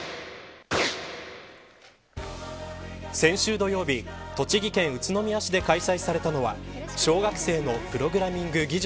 先週、土曜日、栃木県宇都宮市で開催されたのは小学生のプログラミング技術